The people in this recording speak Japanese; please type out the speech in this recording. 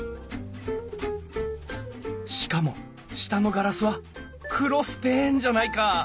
しかも下のガラスは「クロスペーン」じゃないか！